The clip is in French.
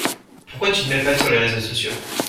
Pourquoi tu te mets pas sur les réseaux sociaux?